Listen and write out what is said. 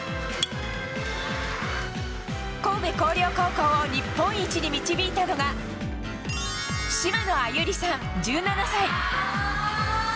神戸弘陵高校を日本一に導いたのが島野愛友利さん、１７歳。